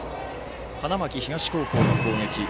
花巻東高校の攻撃。